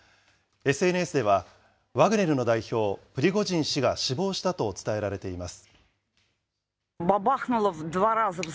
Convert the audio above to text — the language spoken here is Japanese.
ＳＮＳでは、ワグネルの代表、プリゴジン氏が死亡したと伝えられています。